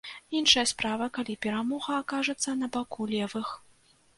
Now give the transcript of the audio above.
Іншая справа, калі перамога акажацца на баку левых.